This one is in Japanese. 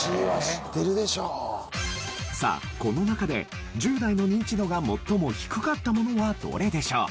さあこの中で１０代のニンチドが最も低かったものはどれでしょう？